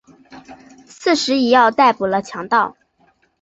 刺史尹耀逮捕了强盗。